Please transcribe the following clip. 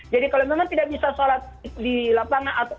jadi kalau memang tidak bisa salat di lapangan